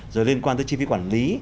rồi liên quan tới chi phí quản lý